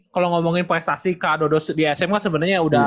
kalau ngomongin prestasi kak dodo di smk sebenarnya udah